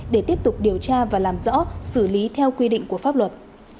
để tiếp tục điều tra và làm rõ xử lý theo quy định của pháp luật